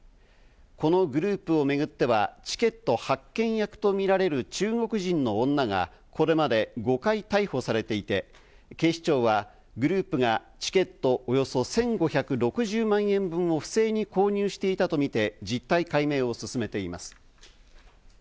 このグループをめぐってはチケット発券役とみられる中国人の女がこれまで５回逮捕されていて、警視庁は、グループがチケットおよそ１５６０万円分を不正に購入していたとみて、実態解明を進めています。